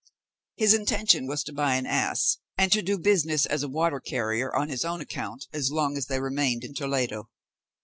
His intention was to buy an ass, and to do business as a water carrier on his own account as long as they remained in Toledo.